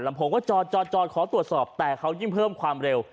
ผมก็จอดขอตรวจสอบแต่เขายิ่งเพิ่มความเร็ว